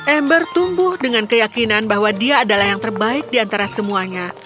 amber tumbuh dengan keyakinan bahwa dia adalah yang terbaik di antara semuanya